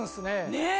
ねっ！